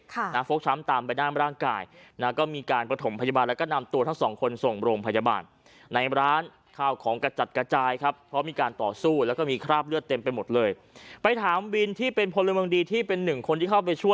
นางโฟกช้ำตามไปด้านร่างกายนะฮะก็มีการประถมพยาบาล